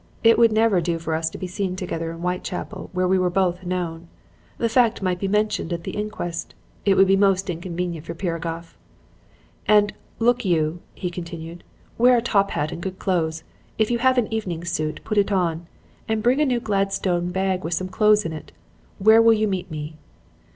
It would never do for us to be seen together in Whitechapel where we were both known. The fact might be mentioned at the inquest. It would be most inconvenient for Piragoff. "'And, look you,' he continued; 'wear a top hat and good clothes; if you have an evening suit, put it on. And bring a new Gladstone bag with some clothes in it. Where will you meet me?'